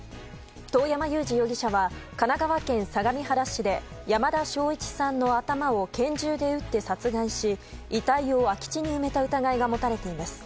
遠山勇二容疑者は神奈川県相模原市で山田正一さんの頭を拳銃で撃って殺害し遺体を空き地に埋めた疑いが持たれています。